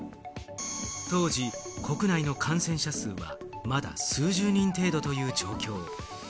当時、国内の感染者数はまだ数十人程度という状況。